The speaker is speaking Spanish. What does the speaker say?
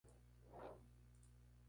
Su familia es metodista.